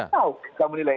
tau bisa menilai